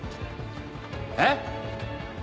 えっ？